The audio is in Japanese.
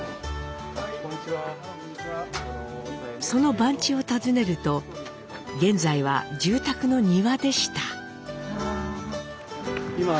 その番地を訪ねると現在は住宅の庭でした。